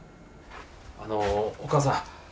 あのお母さん